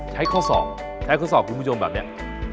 ใช้ข้อ๒ใช้ข้อ๒คุณผู้ชมแบบเนี้ย